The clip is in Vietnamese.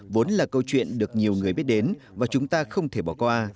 vốn là câu chuyện được nhiều người biết đến và chúng ta không thể bỏ qua